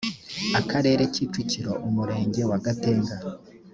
akarere kicukiro umurenge wa gatenga